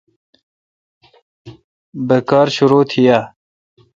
بہ کار شرو تھی اؘ۔